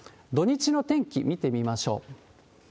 土日の天気、見てみましょう。